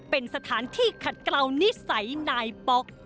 เป็นสถานที่ขัดกล่าวนิสัยนายป๊อก